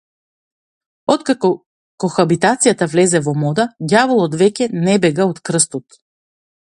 Откако кохабитацијата влезе во мода, ѓаволот веќе не бега од крстот.